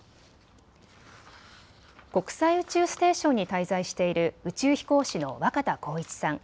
国際宇宙ステーションに滞在している宇宙飛行士の若田光一さん。